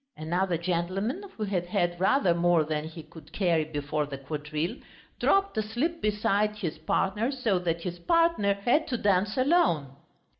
Another gentleman, who had had rather more than he could carry before the quadrille, dropped asleep beside his partner so that his partner had to dance alone.